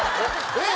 えっ！